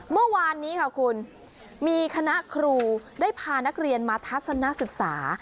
เมื่อวานนี้ค่ะคุณมีคณะครูได้พานักเรียนมาทัศนศึกษา